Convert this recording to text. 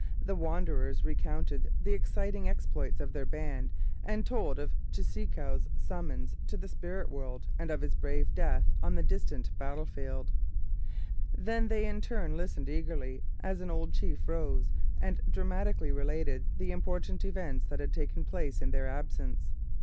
The wanderers recounted the exciting exploits of their band and told of Cheeseekau's summons to the spirit world and of his brave death on the distant battlefield. Then they in turn listened eagerly as an old chief rose and dramatically related the important events that had taken place in their absence.